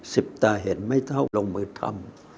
สิบตาเห็นไม่เท่าลงมือทำ